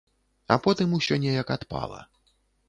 А потым усё неяк адпала.